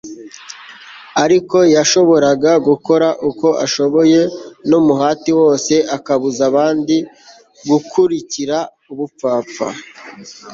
ariko yashoboraga gukora uko ashoboye n'umuhati wose akabuza abandi gukurikira ubupfapfa